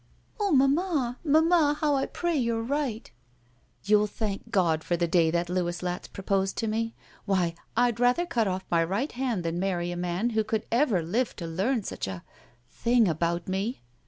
''Oh, mammal Mamma, how I pray you're right." "You'll thank God for the day that Louis Latz proposed to me. Why, I'd rather cut off my right hand than marry a man who could ever live to learn such a — ^thing about me."